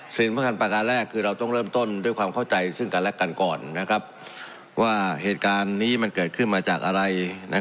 ซึมเมื่อสักการ์ดแรกคือเราต้องเริ่มต้นด้วยความเข้าใจ